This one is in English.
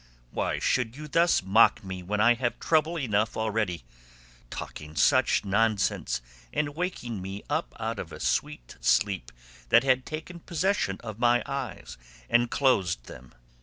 Why should you thus mock me when I have trouble enough already—talking such nonsense, and waking me up out of a sweet sleep that had taken possession of my eyes and closed them?